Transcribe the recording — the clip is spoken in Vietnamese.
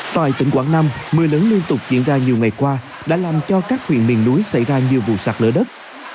tại tỉnh quảng nam mưa lớn liên tục diễn ra nhiều ngày qua đã làm cho các huyện miền núi xảy ra nhiều vụ sạt lở đất